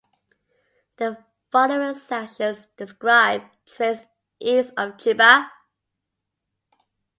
The following sections describe trains east of Chiba.